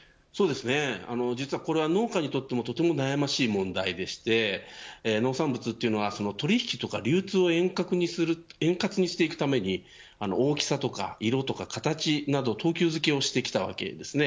実はこれは農家にとってもとても悩ましい問題でして農産物というのは取引とか流通を円滑にしていくために大きさとか、色とか、形など等級付けをしてきたわけです。